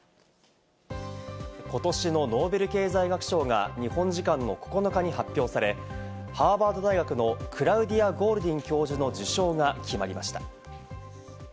ことしのノーベル経済学賞が日本時間の９日に発表され、ハーバード大学のクラウディア・ゴールディン教授の受賞が決まりました。